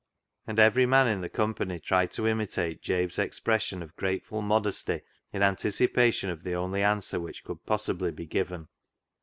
And every man in the company tried to imitate jal)e's expression of grateful UKjdesty in antici[)alion of the only answer which could possibly be given.